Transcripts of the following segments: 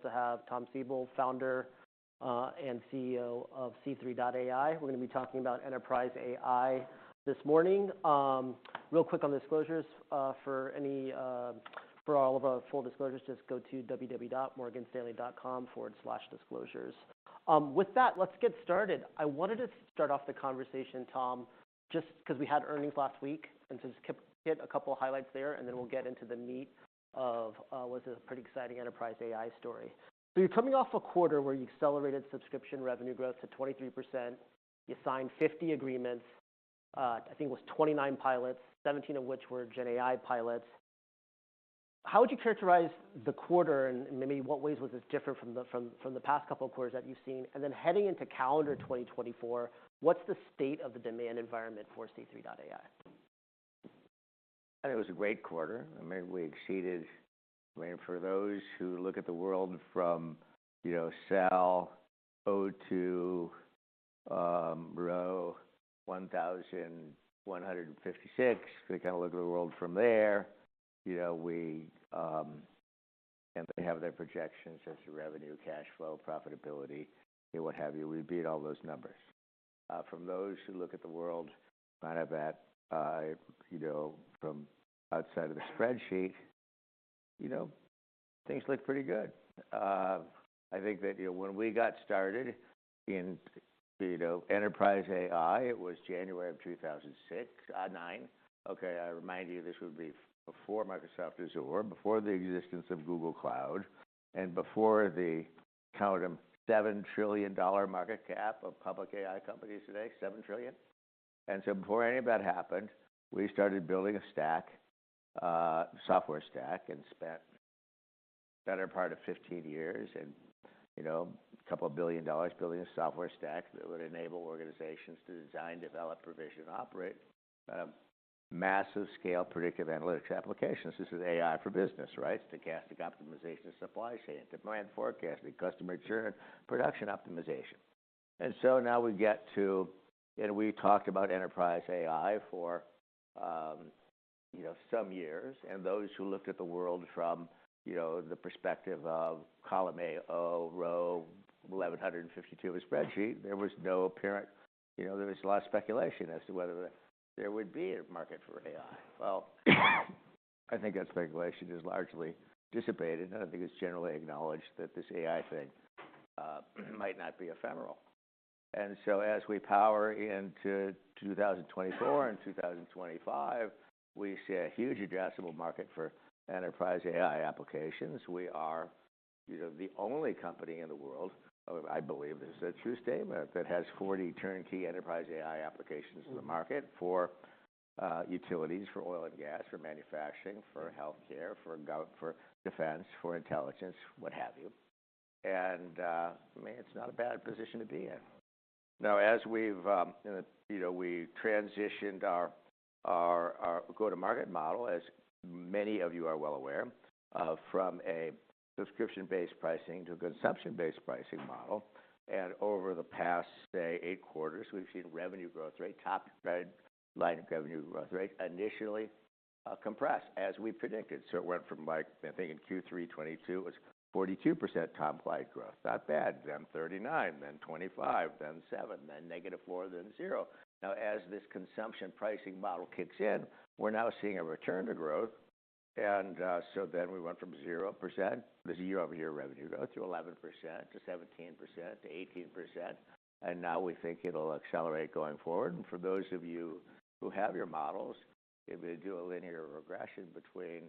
Super thrilled to have Tom Siebel, founder, and CEO of C3.ai. We're gonna be talking about enterprise AI this morning. Real quick on disclosures, for any, for all of our full disclosures, just go to www.morganstanley.com/disclosures. With that, let's get started. I wanted to start off the conversation, Tom, just 'cause we had earnings last week, and just get a couple highlights there, and then we'll get into the meat of, what's a pretty exciting enterprise AI story. So you're coming off a quarter where you accelerated subscription revenue growth to 23%. You signed 50 agreements, I think it was 29 pilots, 17 of which were GenAI pilots. How would you characterize the quarter, and maybe what ways was this different from the from the past couple of quarters that you've seen? And then heading into calendar 2024, what's the state of the demand environment for C3 AI? I think it was a great quarter. I mean, we exceeded. I mean, for those who look at the world from, you know, cell O to row 1,156, they kind of look at the world from there. You know, we and they have their projections as to revenue, cash flow, profitability, and what have you. We beat all those numbers. From those who look at the world out of that, you know, from outside of the spreadsheet, you know, things look pretty good. I think that, you know, when we got started in, you know, enterprise AI, it was January of 2009. Okay, I remind you, this would be before Microsoft Azure, before the existence of Google Cloud, and before the count of $7 trillion market cap of public AI companies today, $7 trillion. Before any of that happened, we started building a stack, software stack, and spent better part of 15 years and, you know, $2 billion building a software stack that would enable organizations to design, develop, provision, operate, massive scale predictive analytics applications. This is AI for business, right? Stochastic optimization of supply chain, demand forecasting, customer churn, production optimization. And so now we get to... And we talked about enterprise AI for, you know, some years. And those who looked at the world from, you know, the perspective of column AO, row 1,152 of a spreadsheet, there was no apparent-- you know, there was a lot of speculation as to whether there would be a market for AI. Well, I think that speculation is largely dissipated, and I think it's generally acknowledged that this AI thing might not be ephemeral. And so, as we power into 2024 and 2025, we see a huge addressable market for enterprise AI applications. We are, you know, the only company in the world, I believe this is a true statement, that has 40 turnkey enterprise AI applications in the market for utilities, for oil and gas, for manufacturing, for healthcare, for gov, for defense, for intelligence, what have you. And, I mean, it's not a bad position to be in. Now, as we've, you know, we transitioned our, our, our go-to-market model, as many of you are well aware, from a subscription-based pricing to a consumption-based pricing model. Over the past, say, eight quarters, we've seen revenue growth rate, top-line revenue growth rate, initially, compress as we predicted. So it went from, like, I think in Q3 2022, it was 42% top-line growth. Not bad. Then 39, then 25, then seven, then -4, then zero. Now, as this consumption pricing model kicks in, we're now seeing a return to growth, and, so then we went from 0%, this is year-over-year revenue growth, to 11%, to 17%, to 18%, and now we think it'll accelerate going forward. And for those of you who have your models, if you do a linear regression between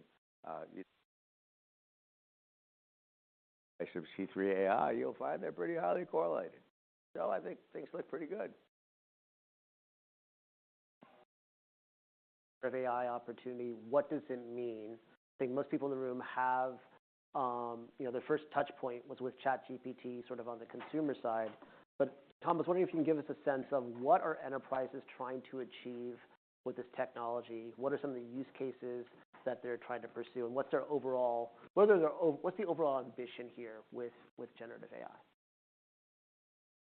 C3 AI, you'll find they're pretty highly correlated. So I think things look pretty good. Of AI opportunity, what does it mean? I think most people in the room have, you know, their first touch point was with ChatGPT, sort of on the consumer side. But Tom, I was wondering if you can give us a sense of what are enterprises trying to achieve with this technology? What are some of the use cases that they're trying to pursue, and what's their overall ambition here with generative AI?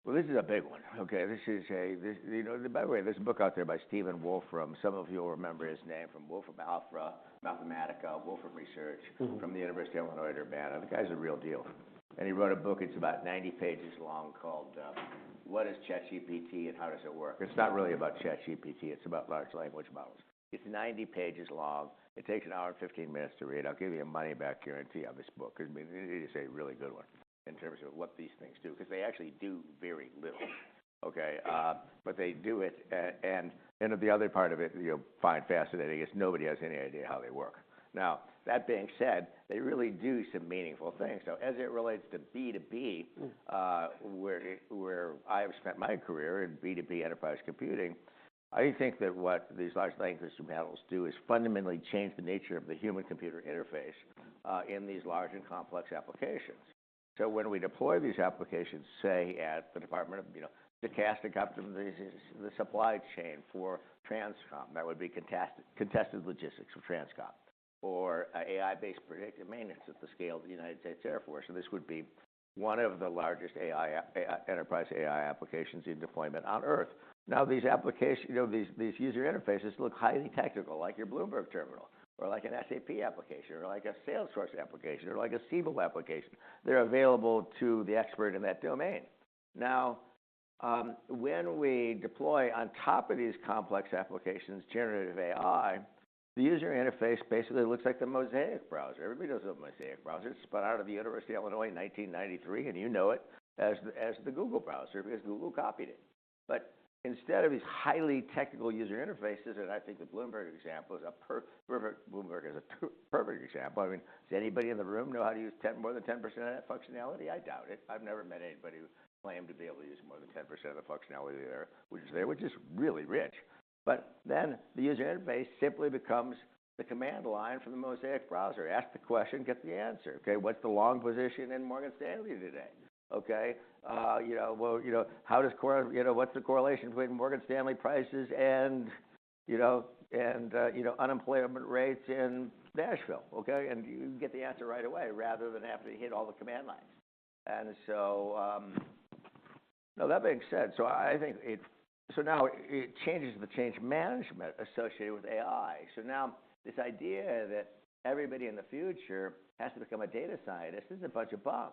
Well, this is a big one. Okay, this is a... You know, by the way, there's a book out there by Stephen Wolfram. Some of you will remember his name from WolframAlpha, Mathematica, Wolfram Research- Mm-hmm. from the University of Illinois at Urbana. The guy's a real deal, and he wrote a book, it's about 90 pages long, called What is ChatGPT and How Does It Work? It's not really about ChatGPT, it's about large language models. It's 90 pages long. It takes 1 hour and 15 minutes to read. I'll give you a money-back guarantee on this book. I mean, it is a really good one in terms of what these things do, because they actually do very little. Okay, but they do it, and the other part of it you'll find fascinating is nobody has any idea how they work. Now, that being said, they really do some meaningful things. So as it relates to B2B, where I have spent my career in B2B enterprise computing, I think that what these large language models do is fundamentally change the nature of the human-computer interface in these large and complex applications. So when we deploy these applications, say, at the department of, you know, stochastic optimization, the supply chain for TRANSCOM, that would be contested logistics for TRANSCOM, or an AI-based predictive maintenance at the scale of the United States Air Force, and this would be one of the largest enterprise AI applications in deployment on Earth. Now, these applications, you know, these user interfaces look highly technical, like your Bloomberg Terminal, or like an SAP application, or like a Salesforce application, or like a Siebel application. They're available to the expert in that domain. Now, when we deploy on top of these complex applications, generative AI, the user interface basically looks like the Mosaic browser. Everybody knows what the Mosaic browser is. It spun out of the University of Illinois in 1993, and you know it as the, as the Google browser because Google copied it. But instead of these highly technical user interfaces, and I think the Bloomberg example is a perfect. Bloomberg is a perfect example. I mean, does anybody in the room know how to use more than 10% of that functionality? I doubt it. I've never met anybody who claimed to be able to use more than 10% of the functionality there, which is, which is really rich. But then, the user interface simply becomes the command line from the Mosaic browser. Ask the question, get the answer. Okay, what's the long position in Morgan Stanley today? Okay, you know, well, you know, what's the correlation between Morgan Stanley prices and, you know, and, you know, unemployment rates in Nashville? Okay, and you get the answer right away, rather than having to hit all the command lines. So, now, that being said, so I think it, so now it changes the change management associated with AI. So now, this idea that everybody in the future has to become a data scientist is a bunch of bunk,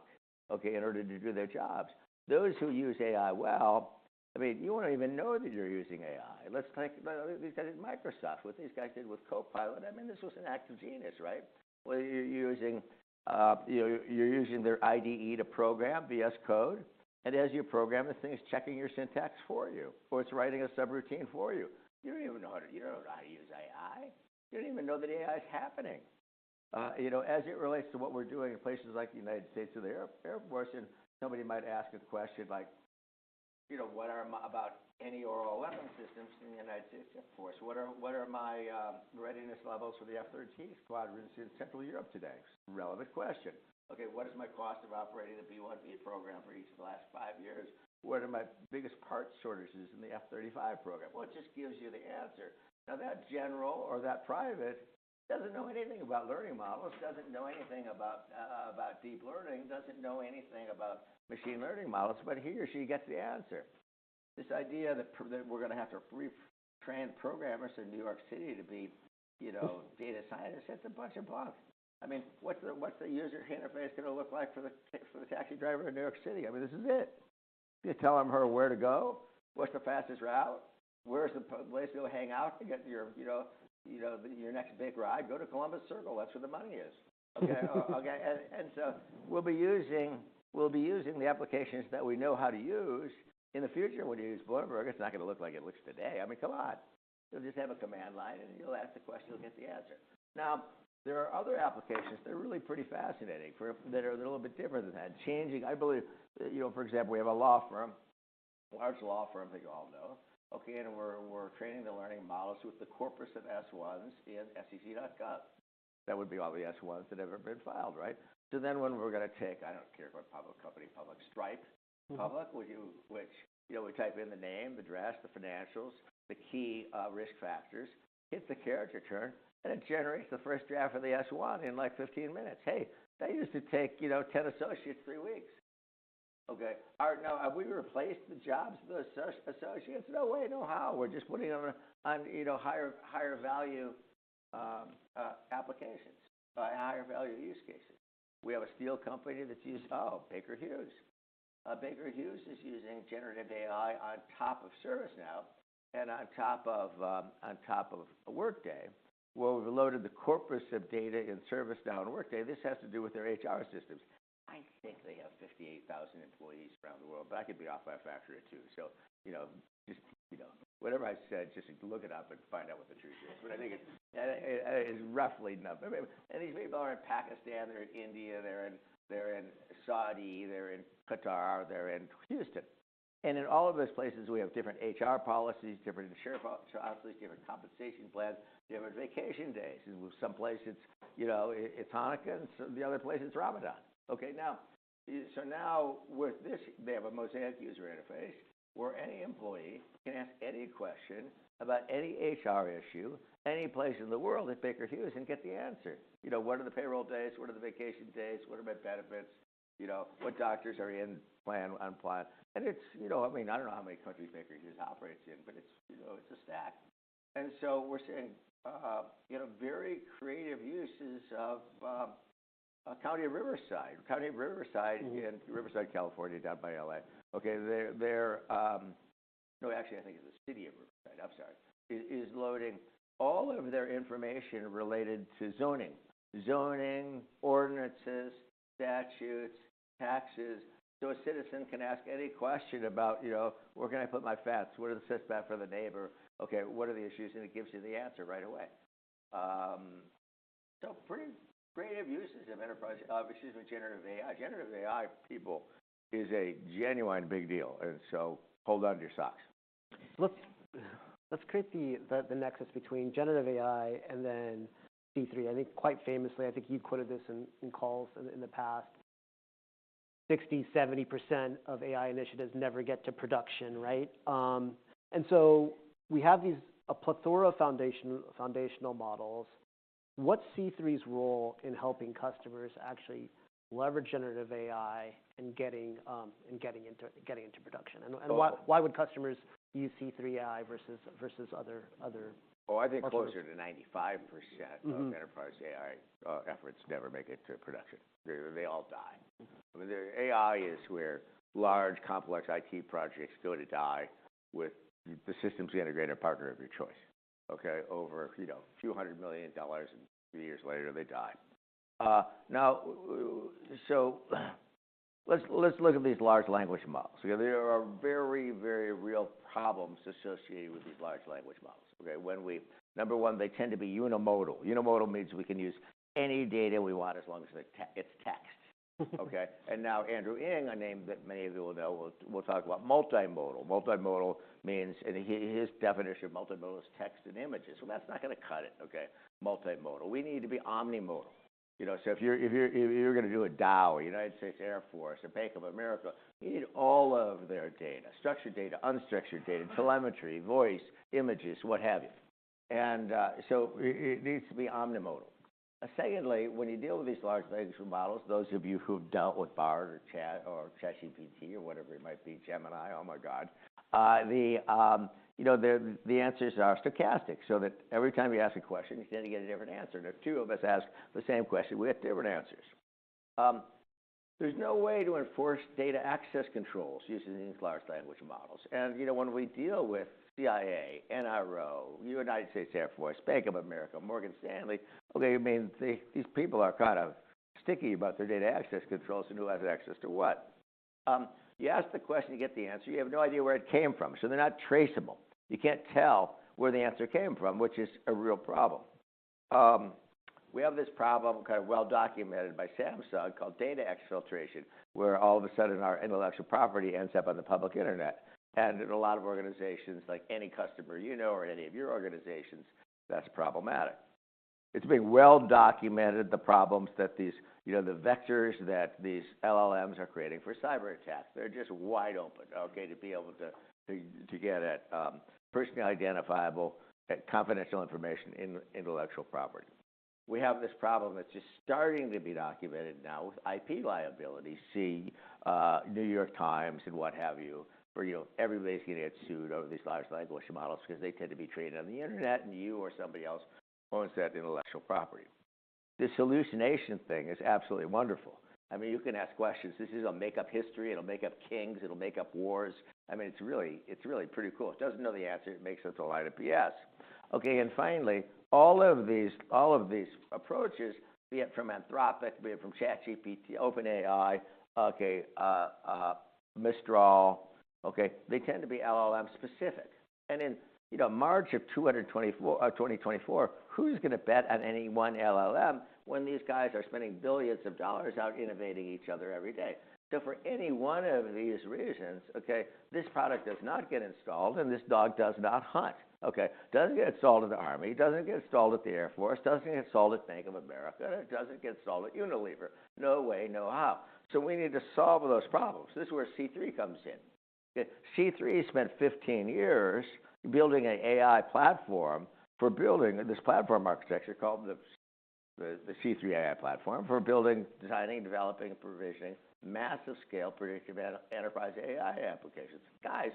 okay, in order to do their jobs. Those who use AI well, I mean, you won't even know that you're using AI. Let's take, by the way, we said Microsoft, what these guys did with Copilot, I mean, this was an act of genius, right? Well, you're using, you know, you're using their IDE to program VS Code, and as you program, the thing is checking your syntax for you, or it's writing a subroutine for you. You don't even know how to—you don't know how to use AI. You don't even know that AI is happening. You know, as it relates to what we're doing in places like the United States or the Air Force, and somebody might ask a question like, you know, what are my aerial weapon systems in the United States Air Force? What are my readiness levels for the F-13 squadron in Central Europe today? Relevant question. Okay, what is my cost of operating the B-1B program for each of the last five years? What are my biggest part shortages in the F-35 program? Well, it just gives you the answer. Now, that general or that private doesn't know anything about learning models, doesn't know anything about deep learning, doesn't know anything about machine learning models, but he or she gets the answer. This idea that that we're gonna have to retrain programmers in New York City to be, you know, data scientists, it's a bunch of bunk. I mean, what's the user interface gonna look like for the taxi driver in New York City? I mean, this is it. You tell him or her where to go, what's the fastest route, where's the place to go hang out to get your, you know, you know, your next big ride? Go to Columbus Circle. That's where the money is. Okay, and so we'll be using the applications that we know how to use. In the future, when you use Bloomberg, it's not gonna look like it looks today. I mean, come on! You'll just have a command line, and you'll ask the question, you'll get the answer. Now, there are other applications that are really pretty fascinating for... That are a little bit different than that. Changing, I believe, you know, for example, we have a law firm, a large law firm that you all know, okay? And we're training the learning models with the corpus of S-1s in sec.gov. That would be all the S-1s that have ever been filed, right? So then when we're gonna take, I don't care, what public company, public Stripe- Mm-hmm. Public, would you which, you know, we type in the name, address, the financials, the key risk factors, hit the carriage return, and it generates the first draft of the S-1 in, like, 15 minutes. Hey, that used to take, you know, 10 associates three weeks. Okay, all right, now, have we replaced the jobs of the associates? No way, no how. We're just putting them on, you know, higher value applications, higher value use cases. We have a steel company that's using... Oh, Baker Hughes. Baker Hughes is using generative AI on top of ServiceNow and on top of Workday, where we've loaded the corpus of data in ServiceNow and Workday. This has to do with their HR systems. I think they have 58,000 employees around the world, but I could be off by a factor of two. So you know, just, you know, whatever I said, just look it up and find out what the truth is. But I think it, it, it's roughly enough. I mean, and these people are in Pakistan, they're in India, they're in, they're in Saudi, they're in Qatar, they're in Houston. And in all of those places, we have different HR policies, different insurance policies, different compensation plans, different vacation days. In some places, it's, you know, it- it's Hanukkah, and so the other place, it's Ramadan. Okay, now, so now with this, they have a mosaic user interface where any employee can ask any question about any HR issue, any place in the world at Baker Hughes and get the answer. You know, what are the payroll dates? What are the vacation dates? What are my benefits? You know, what doctors are in plan, on plan? And it's, you know... I mean, I don't know how many countries Baker Hughes operates in, but it's, you know, it's a stack. And so we're seeing, you know, very creative uses of, Riverside County. Riverside County- Mm-hmm. In Riverside, California, down by L.A. Okay, no, actually, I think it's the City of Riverside, I'm sorry, is loading all of their information related to zoning. Zoning, ordinances, statutes, taxes. So a citizen can ask any question about, you know, "Where can I put my fence? What are the setback for the neighbor?" Okay, "What are the issues?" And it gives you the answer right away. So pretty creative uses of enterprise, excuse me, generative AI. Generative AI, people, is a genuine big deal, and so hold on to your socks. Let's create the nexus between generative AI and then C3. I think quite famously, I think you quoted this in calls in the past, 60%-70% of AI initiatives never get to production, right? And so we have a plethora of foundational models.... What's C3's role in helping customers actually leverage generative AI and getting into production? And why would customers use C3 AI versus other? Oh, I think closer to 95%- Mm-hmm - of enterprise AI efforts never make it to production. They all die. I mean, their AI is where large, complex IT projects go to die with the systems integrator partner of your choice, okay? Over, you know, $a few hundred million and a few years later, they die. Now, let's look at these large language models. Because there are very, very real problems associated with these large language models, okay? When we... Number one, they tend to be unimodal. Unimodal means we can use any data we want as long as it's text. Okay? And now Andrew Ng, a name that many of you will know, we'll talk about multimodal. Multimodal means, and his definition of multimodal is text and images. Well, that's not gonna cut it, okay, multimodal. We need to be omnimodal. You know, so if you're gonna do a Dow, a United States Air Force, a Bank of America, you need all of their data: structured data, unstructured data, telemetry, voice, images, what have you. And so it needs to be omnimodal. Secondly, when you deal with these large language models, those of you who've dealt with Bard or Chat or ChatGPT or whatever it might be, Gemini, oh my God, the answers are stochastic, so that every time you ask a question, you're gonna get a different answer. And if two of us ask the same question, we get different answers. There's no way to enforce data access controls using these large language models. You know, when we deal with CIA, NRO, United States Air Force, Bank of America, Morgan Stanley, okay, I mean, these people are kind of sticky about their data access controls and who has access to what. You ask the question, you get the answer, you have no idea where it came from, so they're not traceable. You can't tell where the answer came from, which is a real problem. We have this problem, kind of well-documented by Samsung, called data exfiltration, where all of a sudden our intellectual property ends up on the public internet. And in a lot of organizations, like any customer you know or any of your organizations, that's problematic. It's been well-documented, the problems that these, you know, the vectors that these LLMs are creating for cyberattacks. They're just wide open, okay, to be able to get at personally identifiable and confidential information and intellectual property. We have this problem that's just starting to be documented now with IP liability. See, New York Times and what have you, where, you know, everybody's going to get sued over these large language models because they tend to be trained on the internet, and you or somebody else owns that intellectual property. The solutionation thing is absolutely wonderful. I mean, you can ask questions. This is gonna make up history, it'll make up kings, it'll make up wars. I mean, it's really, it's really pretty cool. It doesn't know the answer, it makes up a lot of BS. Okay, and finally, all of these, all of these approaches, be it from Anthropic, be it from ChatGPT, OpenAI, okay, Mistral, okay, they tend to be LLM-specific. And in, you know, March of 2024, 2024, who's going to bet on any one LLM when these guys are spending billions of dollars out innovating each other every day? So for any one of these reasons, okay, this product does not get installed, and this dog does not hunt, okay? Doesn't get installed at the Army, doesn't get installed at the Air Force, doesn't get installed at Bank of America, and it doesn't get installed at Unilever. No way, no how. So we need to solve those problems. This is where C3 comes in. C3 AI spent 15 years building an AI platform for building this platform architecture called the C3 AI Platform, for building, designing, developing, and provisioning massive-scale predictive analytics enterprise AI applications. Guys,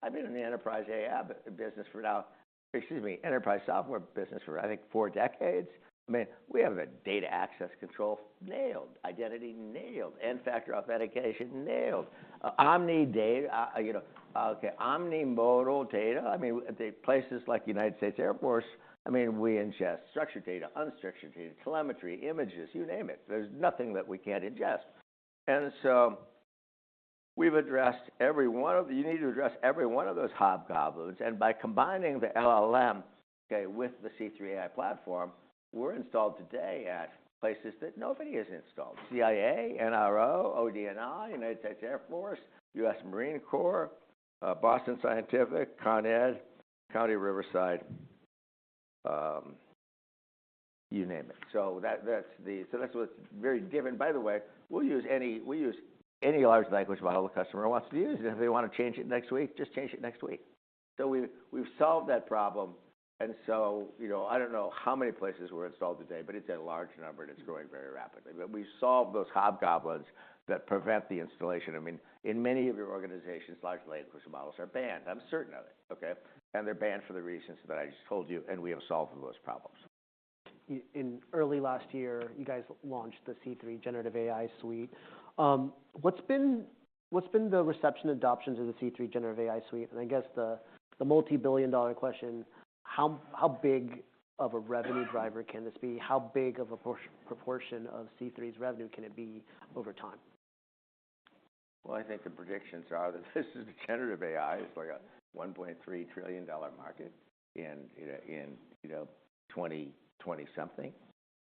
I've been in the enterprise AI business for now, excuse me, enterprise software business for, I think, four decades. I mean, we have a data access control, nailed. Identity, nailed. N-factor authentication, nailed. Omni data, you know, okay, omnimodal data, I mean, the places like U.S. Air Force, I mean, we ingest structured data, unstructured data, telemetry, images, you name it. There's nothing that we can't ingest. And so we've addressed every one of... You need to address every one of those hobgoblins, and by combining the LLM, okay, with the C3 AI Platform, we're installed today at places that nobody is installed: CIA, NRO, ODNI, United States Air Force, U.S. Marine Corps, Boston Scientific, Con Ed, Riverside County, you name it. So that, that's the—so that's what's very given... By the way, we'll use any—we use any large language model the customer wants to use. If they wanna change it next week, just change it next week. So we've, we've solved that problem, and so, you know, I don't know how many places we're installed today, but it's a large number, and it's growing very rapidly. But we've solved those hobgoblins that prevent the installation. I mean, in many of your organizations, large language models are banned. I'm certain of it, okay? They're banned for the reasons that I just told you, and we have solved those problems. In early last year, you guys launched the C3 Generative AI Suite. What's been the reception adoptions of the C3 Generative AI Suite? And I guess the multi-billion dollar question, how big of a revenue driver can this be? How big of a proportion of C3's revenue can it be over time? Well, I think the predictions are that this is the generative AI. It's like a $1.3 trillion market in, you know, in, you know, 2020-something. This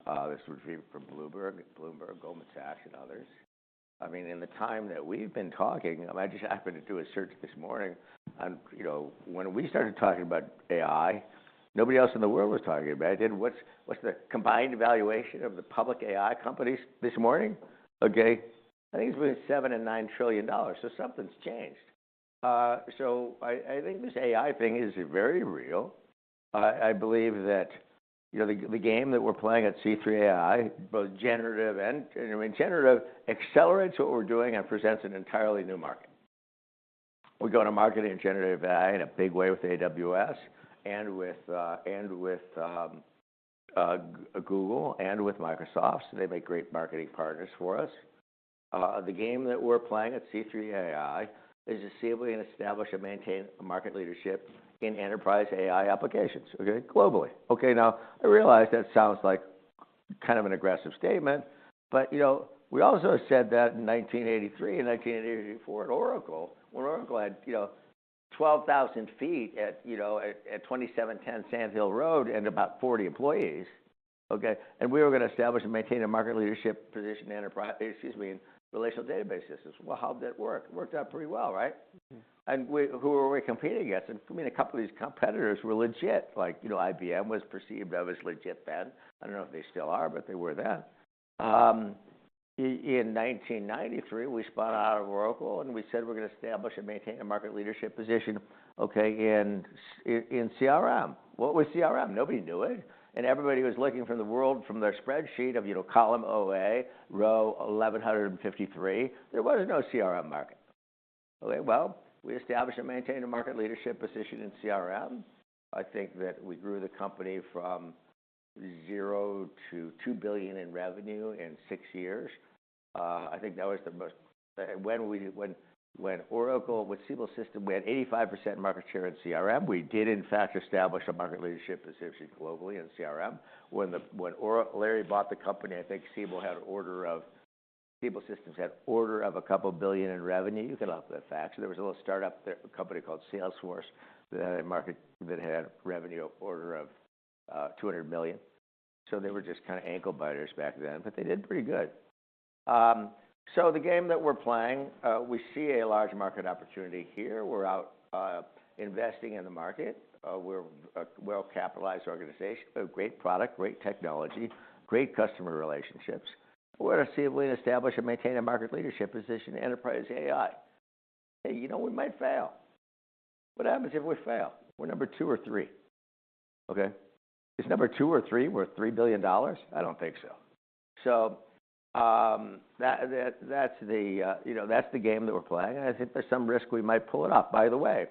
was retrieved from Bloomberg, Bloomberg, Goldman Sachs, and others. I mean, in the time that we've been talking, I mean, I just happened to do a search this morning on, you know, when we started talking about AI, nobody else in the world was talking about it. I did... What's the combined valuation of the public AI companies this morning? Okay, I think it's between $7 trillion-$9 trillion, so something's changed. So I think this AI thing is very real. I believe that, you know, the game that we're playing at C3 AI, both generative and—and I mean, generative accelerates what we're doing and presents an entirely new market. We're going to market in generative AI in a big way with AWS, Google, and Microsoft. They make great marketing partners for us. The game that we're playing at C3 AI is to see if we can establish and maintain a market leadership in enterprise AI applications, okay? Globally. Okay, now, I realize that sounds like kind of an aggressive statement, but, you know, we also said that in 1983 and 1984 at Oracle, when Oracle had, you know, 12,000 feet at, you know, at 2710 Sand Hill Road and about 40 employees, okay? And we were gonna establish and maintain a market leadership position in enterprise—excuse me, in relational database systems. Well, how'd that work? It worked out pretty well, right? Mm-hmm. And we—who were we competing against? And I mean, a couple of these competitors were legit, like, you know, IBM was perceived as legit then. I don't know if they still are, but they were then. In 1993, we spun out of Oracle, and we said, "We're gonna establish and maintain a market leadership position," okay, "in CRM." What was CRM? Nobody knew it, and everybody was looking from the world from their spreadsheet of, you know, column OA, row 1,153. There was no CRM market. Okay, well, we established and maintained a market leadership position in CRM. I think that we grew the company from zero to $2 billion in revenue in 6 years. I think that was the most. When Oracle—with Siebel Systems, we had 85% market share in CRM. We did, in fact, establish a market leadership position globally in CRM. When Larry bought the company, I think Siebel Systems had order of $2 billion in revenue. You can look up the facts. There was a little start-up there, a company called Salesforce, that had revenue of order of $200 million. So they were just kinda ankle biters back then, but they did pretty good. So the game that we're playing, we see a large market opportunity here. We're out investing in the market. We're a well-capitalized organization, a great product, great technology, great customer relationships. We're to see if we can establish and maintain a market leadership position in enterprise AI. Hey, you know, we might fail. What happens if we fail? We're number two or three. Okay? Is number two or three worth $3 billion? I don't think so. So, that's the, you know, that's the game that we're playing, and I think there's some risk we might pull it off. By the way,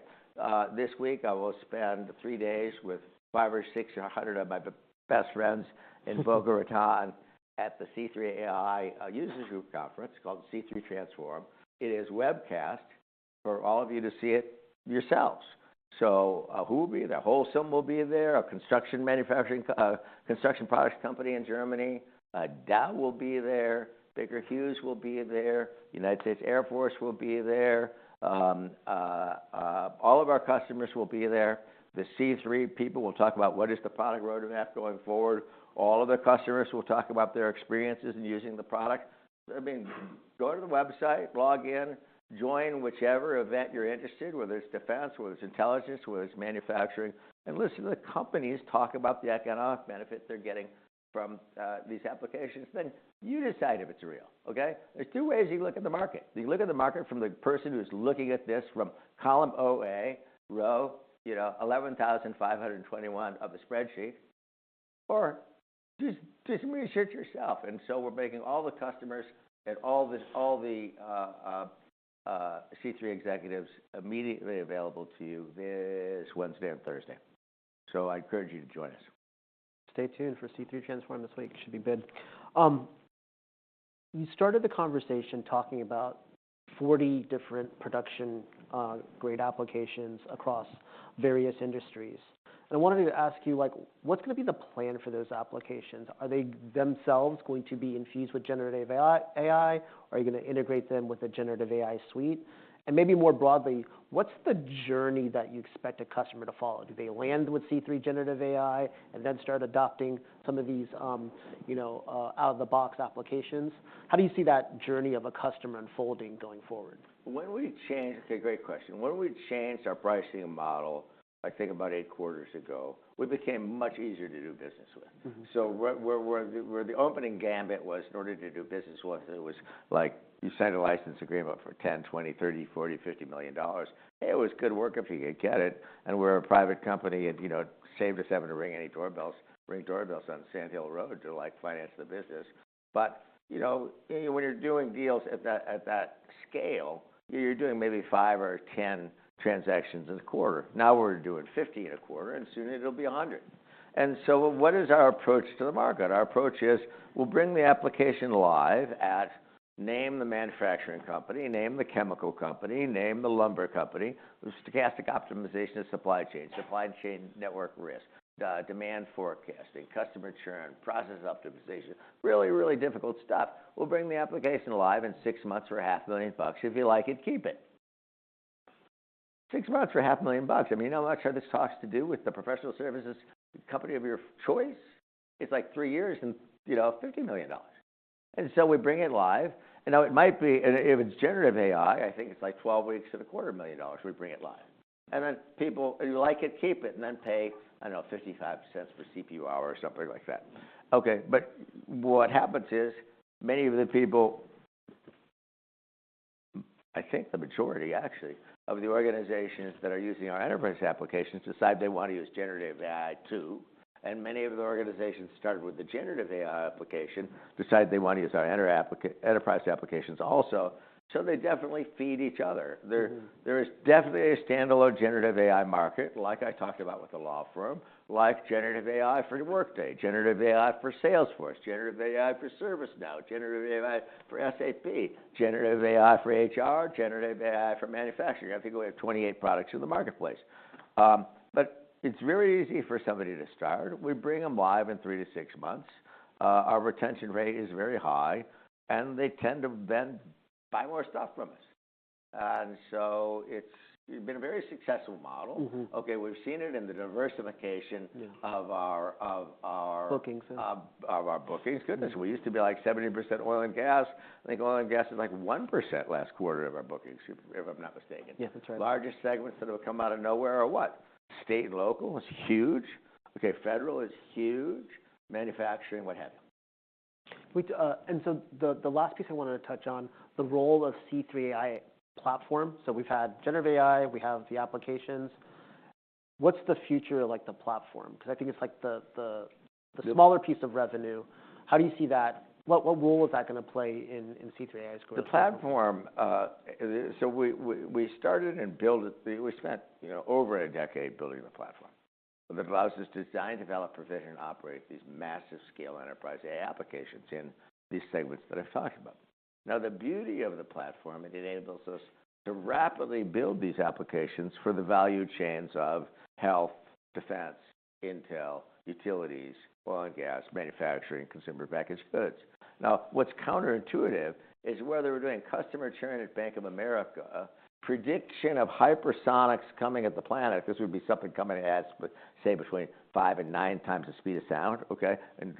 this week, I will spend three days with five or six or 100 of my best friends in Boca Raton at the C3 AI users group conference called C3 Transform. It is webcast for all of you to see it yourselves. So, who will be there? Holcim will be there, a construction products company in Germany. Dow will be there, Baker Hughes will be there, United States Air Force will be there. All of our customers will be there. The C3 people will talk about what is the product roadmap going forward. All of the customers will talk about their experiences in using the product. I mean, go to the website, log in, join whichever event you're interested, whether it's defense, whether it's intelligence, whether it's manufacturing, and listen to the companies talk about the economic benefits they're getting from these applications. Then you decide if it's real, okay? There's two ways you can look at the market. You can look at the market from the person who's looking at this from column OA, row, you know, 11,521 of the spreadsheet, or just research it yourself. And so we're making all the customers and all the C3 executives immediately available to you this Wednesday and Thursday. So I encourage you to join us. Stay tuned for C3 Transform this week. It should be good. You started the conversation talking about 40 different production-grade applications across various industries. And I wanted to ask you, like, what's gonna be the plan for those applications? Are they themselves going to be infused with generative AI, AI, or are you gonna integrate them with a generative AI suite? And maybe more broadly, what's the journey that you expect a customer to follow? Do they land with C3 Generative AI and then start adopting some of these, you know, out-of-the-box applications? How do you see that journey of a customer unfolding going forward? When we changed... It's a great question. When we changed our pricing model, I think about eight quarters ago, we became much easier to do business with. Mm-hmm. So the opening gambit was in order to do business with us, it was like, you sign a license agreement for $10 million-$50 million. It was good work if you could get it, and we're a private company, and, you know, it saved us having to ring any doorbells, ring doorbells on Sand Hill Road to, like, finance the business. But, you know, when you're doing deals at that, at that scale, you're doing maybe five or 10 transactions in a quarter. Now, we're doing 50 in a quarter, and soon it'll be 100. So what is our approach to the market? Our approach is, we'll bring the application live at name the manufacturing company, name the chemical company, name the lumber company, the stochastic optimization of supply chain, supply chain network risk, demand forecasting, customer churn, process optimization, really, really difficult stuff. We'll bring the application live in six months for $500,000. If you like it, keep it. six months for $500,000. I mean, you know how much are these talks to do with the professional services company of your choice? It's like 3 years and, you know, $50 million. And so we bring it live, and now it might be-- and if it's generative AI, I think it's like 12 weeks and $250,000, we bring it live.... and then people, if you like it, keep it, and then pay, I know, $0.55 per CPU hour or something like that. Okay, but what happens is, many of the people, I think the majority, actually, of the organizations that are using our enterprise applications, decide they want to use generative AI, too. And many of the organizations started with the generative AI application, decide they want to use our enterprise applications also, so they definitely feed each other. Mm-hmm. There is definitely a standalone generative AI market, like I talked about with the law firm, like generative AI for Workday, generative AI for Salesforce, generative AI for ServiceNow, generative AI for SAP, generative AI for HR, generative AI for manufacturing. I think we have 28 products in the marketplace. But it's very easy for somebody to start. We bring them live in three-six months. Our retention rate is very high, and they tend to then buy more stuff from us. So it's been a very successful model. Mm-hmm. Okay, we've seen it in the diversification- Yeah... of our Bookings. Of our bookings. Goodness, we used to be, like, 70% oil and gas. I think oil and gas is, like, 1% last quarter of our bookings, if I'm not mistaken. Yes, that's right. Largest segments that have come out of nowhere are what? State and local is huge. Okay, federal is huge, manufacturing, what have you. We, the last piece I wanted to touch on, the role of C3 AI Platform. So we've had generative AI, we have the applications. What's the future like the platform? 'Cause I think it's, like, the smaller piece of revenue. How do you see that? What role is that gonna play in C3 AI's growth? The platform, so we started and built it... We spent, you know, over a decade building the platform that allows us to design, develop, provision, and operate these massive-scale enterprise AI applications in these segments that I've talked about. Now, the beauty of the platform, it enables us to rapidly build these applications for the value chains of health, defense, intel, utilities, oil and gas, manufacturing, consumer packaged goods. Now, what's counterintuitive is whether we're doing customer churn at Bank of America, prediction of hypersonics coming at the planet, this would be something coming at, say, between five and nine times the speed of sound, okay? And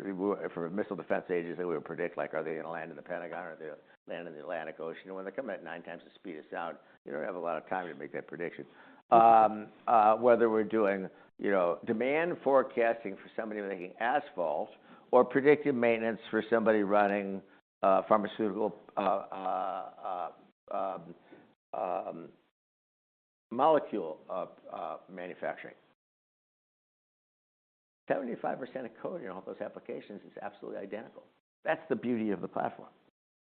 for a Missile Defense Agency, we would predict, like, are they gonna land in the Pentagon or are they gonna land in the Atlantic Ocean? When they come at nine times the speed of sound, you don't have a lot of time to make that prediction. Whether we're doing, you know, demand forecasting for somebody making asphalt or predictive maintenance for somebody running pharmaceutical manufacturing. 75% of code in all those applications is absolutely identical. That's the beauty of the platform.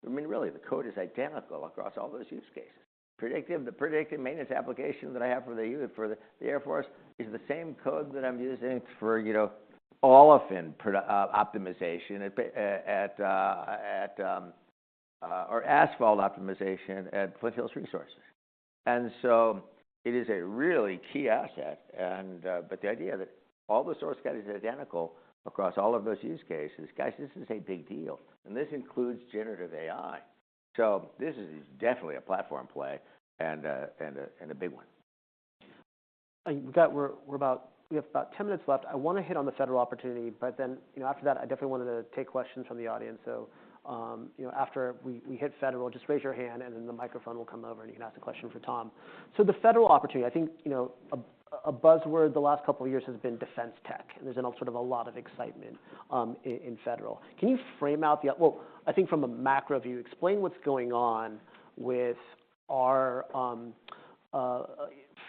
I mean, really, the code is identical across all those use cases. The predictive maintenance application that I have for the Air Force is the same code that I'm using for, you know, olefin production optimization at or asphalt optimization at Flint Hills Resources. And so it is a really key asset. The idea that all the source code is identical across all of those use cases, guys, this is a big deal, and this includes generative AI. So this is definitely a platform play and a big one. We have about 10 minutes left. I wanna hit on the federal opportunity, but then, you know, after that, I definitely wanted to take questions from the audience. So, you know, after we hit federal, just raise your hand, and then the microphone will come over, and you can ask a question for Tom. So the federal opportunity, I think, you know, a buzzword the last couple of years has been defense tech, and there's been sort of a lot of excitement in federal. Can you frame out the. Well, I think from a macro view, explain what's going on with our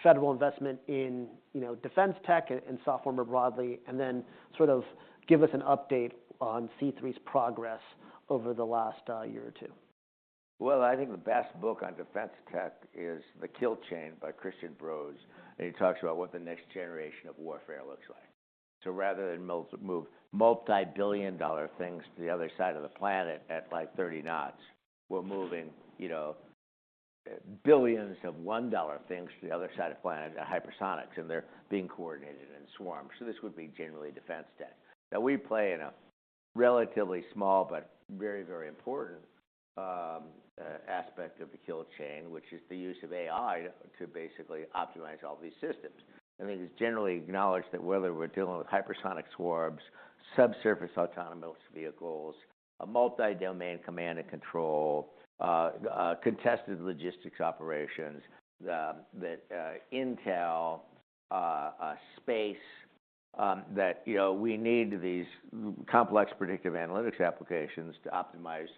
federal investment in, you know, defense tech and software more broadly, and then sort of give us an update on C3's progress over the last year or two. Well, I think the best book on defense tech is The Kill Chain by Christian Brose, and he talks about what the next generation of warfare looks like. So rather than move multi-billion-dollar things to the other side of the planet at, like, 30 knots, we're moving, you know, billions of $1 things to the other side of the planet, the hypersonics, and they're being coordinated in swarm. So this would be generally defense tech. Now, we play in a relatively small but very, very important aspect of the kill chain, which is the use of AI to basically optimize all these systems. I mean, it's generally acknowledged that whether we're dealing with hypersonic swarms, subsurface autonomous vehicles, a multi-domain command and control, contested logistics operations, intel space, that you know, we need these complex predictive analytics applications to optimize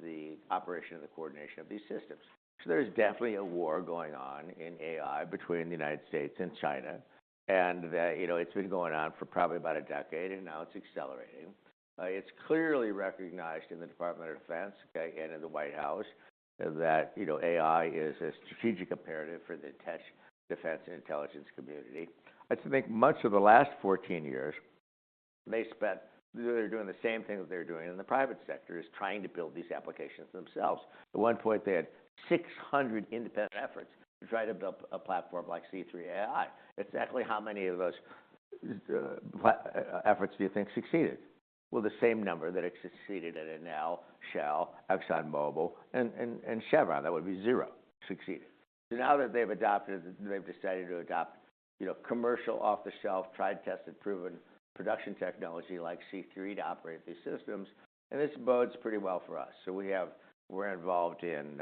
the operation and the coordination of these systems. So there's definitely a war going on in AI between the United States and China, and that, you know, it's been going on for probably about a decade, and now it's accelerating. It's clearly recognized in the Department of Defense, okay, and in the White House, that you know, AI is a strategic imperative for the tech defense and intelligence community. I think much of the last 14 years, they spent... They're doing the same thing that they're doing in the private sector, is trying to build these applications themselves. At one point, they had 600 independent efforts to try to build a platform like C3 AI. Exactly how many of those efforts do you think succeeded? Well, the same number that have succeeded at it now, Shell, ExxonMobil, and Chevron, that would be zero succeeded. So now that they've adopted, they've decided to adopt, you know, commercial, off-the-shelf, tried, tested, proven production technology like C3 to operate these systems, and this bodes pretty well for us. So we have, we're involved in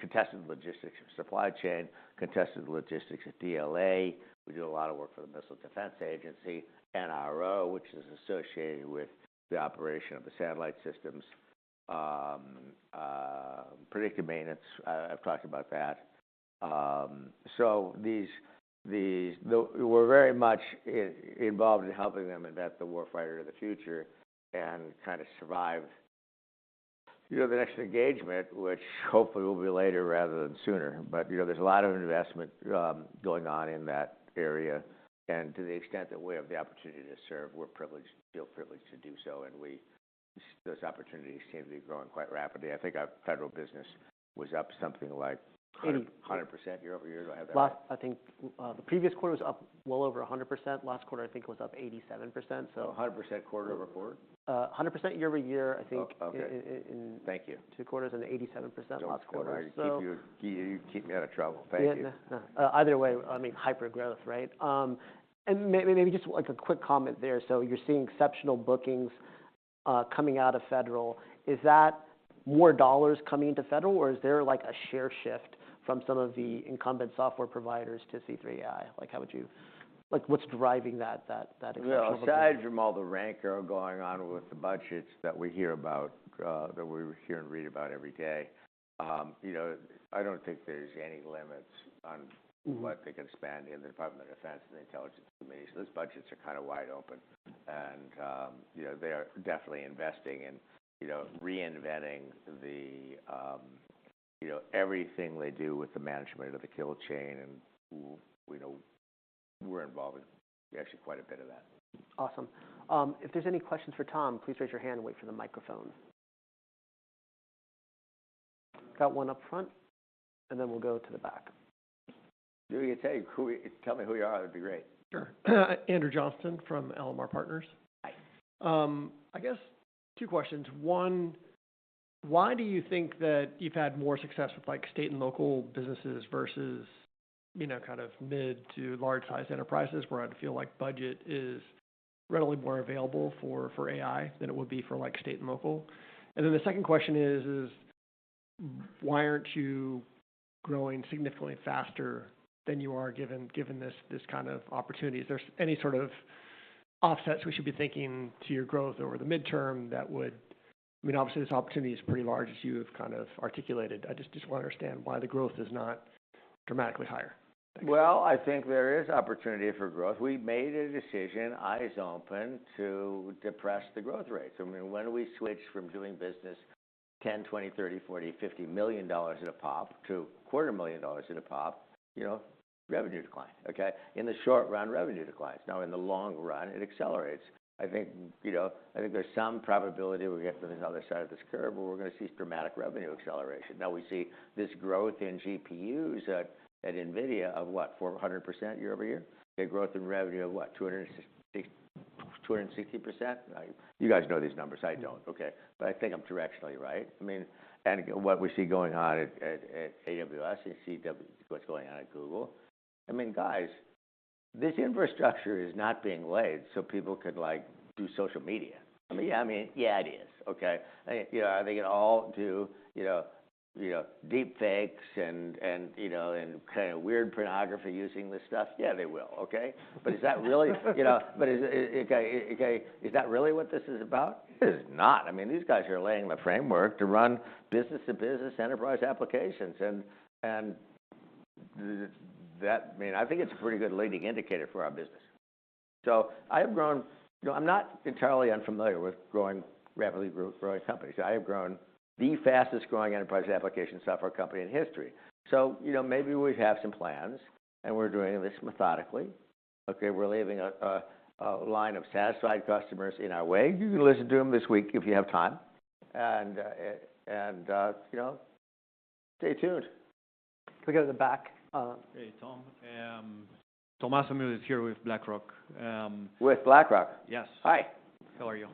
contested logistics and supply chain, contested logistics at DLA. We do a lot of work for the Missile Defense Agency, NRO, which is associated with the operation of the satellite systems. Predictive maintenance, I've talked about that. So, we're very much involved in helping them invent the warfighter of the future and kinda survive, you know, the next engagement, which hopefully will be later rather than sooner. But, you know, there's a lot of investment going on in that area, and to the extent that we have the opportunity to serve, we're privileged, feel privileged to do so, and those opportunities seem to be growing quite rapidly. I think our federal business was up something like 100% year-over-year. Do I have that right? Last, I think, the previous quarter was up well over 100%. Last quarter, I think it was up 87%, so- 100% quarter-over-quarter? 100% year-over-year, I think- Oh, okay... in, in, in- Thank you. Two quarters and 87% last quarter, so- You keep me out of trouble. Thank you. Yeah. No, either way, I mean, hypergrowth, right? And maybe just like a quick comment there. So you're seeing exceptional bookings coming out of federal. Is that more dollars coming into federal, or is there, like, a share shift from some of the incumbent software providers to C3 AI? Like, how would you... Like, what's driving that exceptional- Well, aside from all the rancor going on with the budgets that we hear about, that we hear and read about every day, you know, I don't think there's any limits on- Mm... what they can spend in the Department of Defense and the Intelligence Community. So those budgets are kind of wide open. And, you know, they are definitely investing in, you know, reinventing the, you know, everything they do with the management of the kill chain, and we know we're involved in actually quite a bit of that. Awesome. If there's any questions for Tom, please raise your hand and wait for the microphone. Got one up front, and then we'll go to the back. Tell me who you are? It'd be great. Sure. Andrew Johnston from LMR Partners. Hi. I guess two questions. One, why do you think that you've had more success with, like, state and local businesses versus, you know, kind of mid to large-sized enterprises, where I'd feel like budget is readily more available for, for AI than it would be for, like, state and local? And then the second question is: Why aren't you growing significantly faster than you are, given this kind of opportunity? Is there any sort of offsets we should be thinking to your growth over the midterm that would... I mean, obviously, this opportunity is pretty large, as you have kind of articulated. I just want to understand why the growth is not dramatically higher. Well, I think there is opportunity for growth. We made a decision, eyes open, to depress the growth rates. I mean, when we switched from doing business $10 million, $20 million, $30 million, $40 million, $50 million at a pop to $250,000 at a pop, you know, revenue declined, okay? In the short run, revenue declines. Now, in the long run, it accelerates. I think, you know, I think there's some probability when we get to the other side of this curve, where we're gonna see dramatic revenue acceleration. Now, we see this growth in GPUs at, at NVIDIA of what, 400% year-over-year? Okay, growth in revenue of what, 260, 260%? You guys know these numbers. I don't, okay? But I think I'm directionally right. I mean, what we see going on at AWS and Google Cloud—what's going on at Google. I mean, guys, this infrastructure is not being laid so people could, like, do social media. I mean, yeah, I mean, yeah, it is, okay? You know, are they gonna all do, you know, deep fakes and, and, you know, and kind of weird pornography using this stuff? Yeah, they will, okay? But is that really, you know... But is, okay, okay, is that really what this is about? It is not. I mean, these guys are laying the framework to run business-to-business enterprise applications, and that... I mean, I think it's a pretty good leading indicator for our business. So I have grown... You know, I'm not entirely unfamiliar with growing, rapidly growing companies. I have grown the fastest-growing enterprise application software company in history. So, you know, maybe we have some plans, and we're doing this methodically. Okay, we're leaving a line of satisfied customers in our way. You can listen to them this week if you have time. And, you know, stay tuned. Can we go to the back? Hey, Tom. Tomas Amil here with BlackRock. With BlackRock? Yes. Hi. How are you?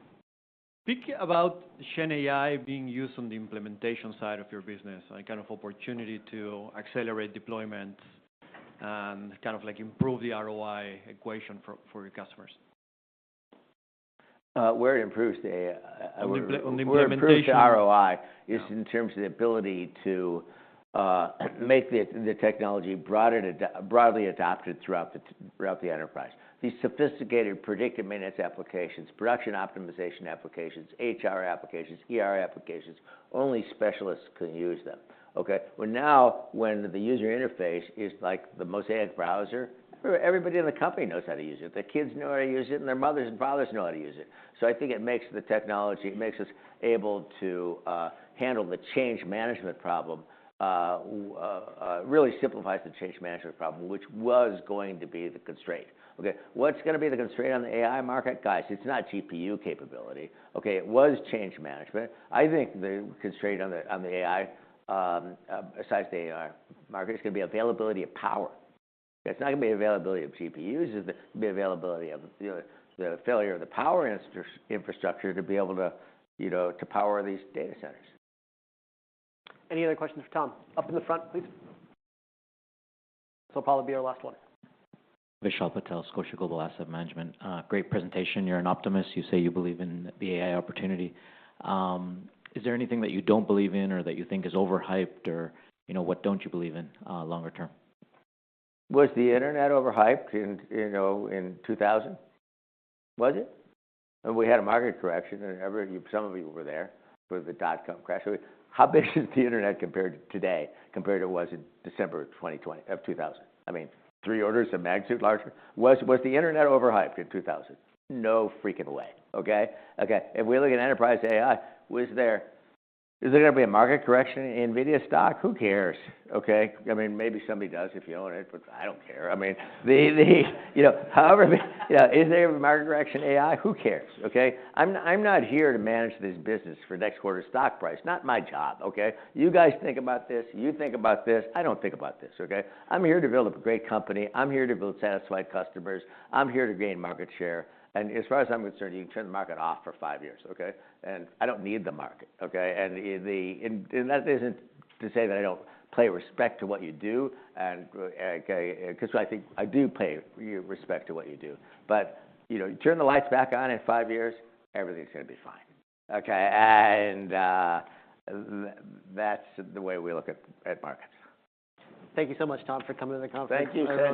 Think about GenAI being used on the implementation side of your business, a kind of opportunity to accelerate deployment and kind of, like, improve the ROI equation for, for your customers. Where it improves the AI- On the implementation- Where it improves the ROI- Yeah... is in terms of the ability to make the technology broader to broadly adopted throughout the enterprise. These sophisticated predictive maintenance applications, production optimization applications, HR applications, ER applications, only specialists can use them, okay? Well, now, when the user interface is like the Mosaic browser, everybody in the company knows how to use it. The kids know how to use it, and their mothers and fathers know how to use it. So I think it makes the technology, it makes us able to handle the change management problem, really simplifies the change management problem, which was going to be the constraint, okay? What's going to be the constraint on the AI market? Guys, it's not GPU capability, okay? It was change management. I think the constraint on the AI, aside from the AI market, it's going to be availability of power. It's not going to be availability of GPUs, it's the failure of the power infrastructure to be able to, you know, to power these data centers. Any other questions for Tom? Up in the front, please. This will probably be our last one. Vishal Patel, Scotia Global Asset Management. Great presentation. You're an optimist. You say you believe in the AI opportunity. Is there anything that you don't believe in or that you think is overhyped or, you know, what don't you believe in longer term? Was the internet overhyped in, you know, in 2000? Was it? And we had a market correction, and some of you were there for the dot-com crash. How big is the internet compared - today, compared to what it was in December of 2000? I mean, three orders of magnitude larger. Was the internet overhyped in 2000? No freaking way, okay? Okay, if we look at enterprise AI, is there going to be a market correction in NVIDIA stock? Who cares, okay? I mean, maybe somebody does if you own it, but I don't care. I mean, the, you know, however... You know, is there a market correction in AI? Who cares, okay? I'm not here to manage this business for next quarter's stock price. Not my job, okay? You guys think about this, you think about this, I don't think about this, okay? I'm here to build a great company. I'm here to build satisfied customers. I'm here to gain market share. And as far as I'm concerned, you can turn the market off for five years, okay? And I don't need the market, okay? And that isn't to say that I don't pay respect to what you do, and, okay, because I think I do pay you respect to what you do. But, you know, you turn the lights back on in five years, everything's gonna be fine, okay? And that's the way we look at markets. Thank you so much, Tom, for coming to the conference. Thank you, Singh.